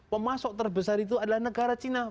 pemasok terbesar itu adalah negara cina